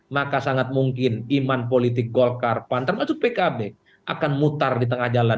maka sangat mungkin iman politik golkar pan termasuk pkb akan mutar di tengah jalan